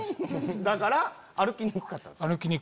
だから歩きにくかった。